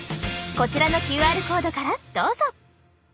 こちらのＱＲコードからどうぞ！